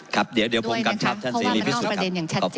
ครับเดี๋ยวเดี๋ยวผมกำชับเพราะว่าต้องเอาประเด็นอย่างชัดเจนนะคะ